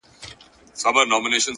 زمـا مــاسوم زړه،